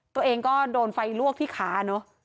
ตัวเองก็โดนไฟลวกที่ขาเนอะ